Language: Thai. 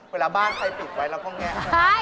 เวลาบ้านใครปิดไว้เราก็แงะ